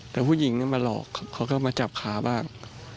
แต่ผู้หญิงมาหลอกเขาก็มาจับขาบ้าง